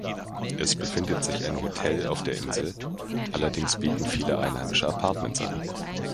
Es befindet sich ein Hotel auf der Insel, allerdings bieten viele Einheimische Appartements an.